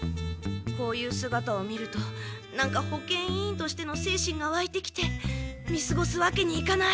こういうすがたを見るとなんか保健委員としての精神がわいてきて見すごすわけにいかない。